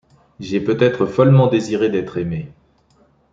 J’ai peut-être follement désiré d’être aimée